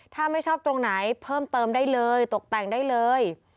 ถ้าไม่ชอบตรงไหนเพิ่มเติมได้เลยตกแต่งได้เลย